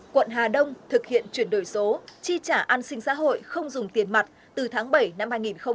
quận hà đông thực hiện chuyển đổi số chi trả an sinh xã hội không dùng tiền mặt từ tháng bảy năm hai nghìn hai mươi